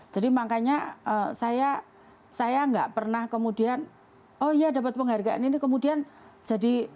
jadi makanya saya gak pernah kemudian oh iya dapat penghargaan ini kemudian jadi